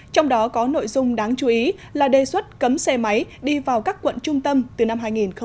trong đó có nội dung đáng chú ý là đề xuất cấm xe máy đi vào các quận trung tâm từ năm hai nghìn một mươi chín